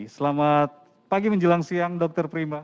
selamat pagi menjelang siang dr prima